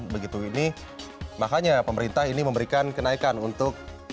begitu ini makanya pemerintah ini memberikan kenaikan untuk